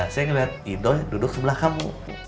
saya ngeliat ido duduk sebelah kamu